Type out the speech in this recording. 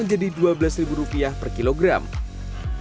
petani pun bisa dipastikan mampu belimbing madu